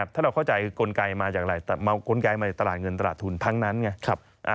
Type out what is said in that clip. ถ้าเราเข้าใจกลไกมาจากอะไรมากลไกใหม่ตลาดเงินตลาดทุนทั้งนั้นไง